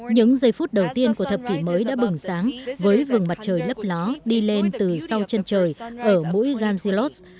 những giây phút đầu tiên của thập kỷ mới đã bừng sáng với vừng mặt trời lấp lá đi lên từ sau chân trời ở mũi ganjilos